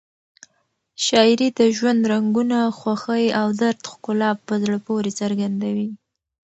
شاعري د ژوند رنګونه، خوښۍ او درد ښکلا په زړه پورې څرګندوي.